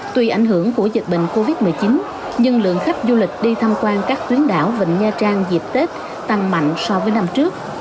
tuy ảnh hưởng của dịch bệnh covid một mươi chín nhưng lượng khách du lịch đi tham quan các tuyến đảo vịnh nha trang dịp tết tăng mạnh so với năm trước